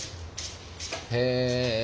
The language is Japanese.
へえ。